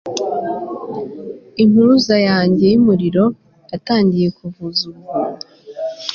impuruza yanjye yumuriro yatangiye kuvuza ubuhuha